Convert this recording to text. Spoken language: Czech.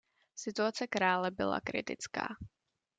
Situace krále byla kritická.